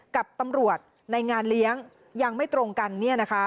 กับตำรวจในงานเลี้ยงยังไม่ตรงกัน